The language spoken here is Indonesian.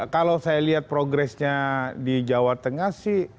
kalau saya lihat progresnya di jawa tengah sih